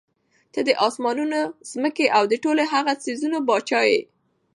ته د آسمانونو، ځمکي او د ټولو هغو څيزونو باچا ئي